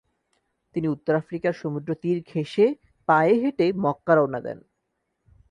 তিনি উত্তর আফ্রিকার সমুদ্র তীর ঘেঁষে পায়ে হেঁটে মক্কা রওনা দেন।